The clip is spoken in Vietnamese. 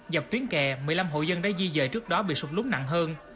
dọc tuyến kè một mươi năm hộ dân đã di dời trước đó bị sụp lún nặng hơn